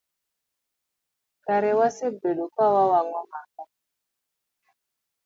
Kara wasebedo kawawang'o maka.